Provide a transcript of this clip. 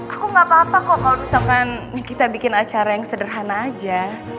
aku gak apa apa kok kalau misalkan kita bikin acara yang sederhana aja